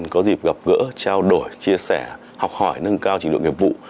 có dịp gặp gỡ trao đổi chia sẻ học hỏi nâng cao trình độ nghiệp vụ